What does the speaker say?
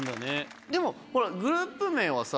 でもほらグループ名はさ